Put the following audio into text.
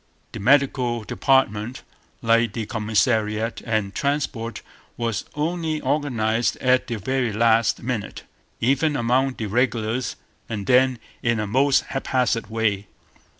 The medical department, like the commissariat and transport, was only organized at the very last minute, even among the regulars, and then in a most haphazard way.